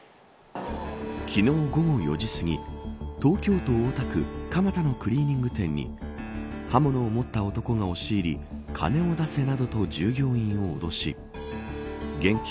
昨日午後４時すぎ東京都大田区蒲田のクリーニング店に刃物を持った男が押し入り金を出せ、などと従業員を脅し現金